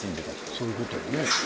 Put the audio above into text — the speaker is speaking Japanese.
そういうことよね。